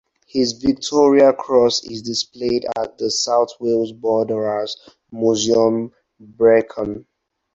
His Victoria Cross is displayed at the South Wales Borderers Museum, Brecon.